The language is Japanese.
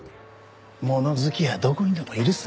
物好きはどこにでもいるさ。